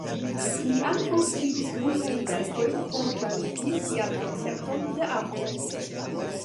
Li ankaŭ skribis multajn verkojn por klarigi sian koncepton de arto.